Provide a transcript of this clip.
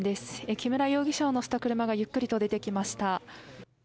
木村容疑者を乗せた車がゆっくりと出てきました。